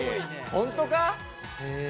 本当か？